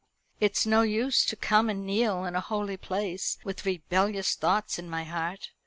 It's no use to come and kneel in a holy place with rebellious thoughts in my heart.